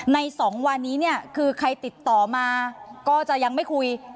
ในสองวันนี้ใครติดต่อมาก็จะยังไม่คุย